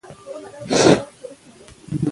افغانستان د خپلې آب وهوا له مخې پېژندل کېږي.